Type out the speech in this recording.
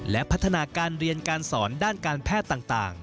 และพัฒนาการเรียนการสอนด้านการแพทย์ต่าง